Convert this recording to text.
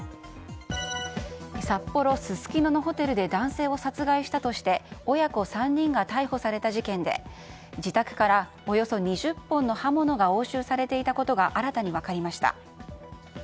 札幌・すすきののホテルで男性を殺害したとして親子３人が逮捕された事件で自宅からおよそ２０本の刃物が押収されていたことが新たに分かりました。